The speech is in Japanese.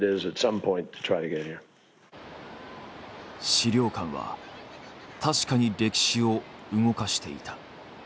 資料館は確かに歴史を動かしていた。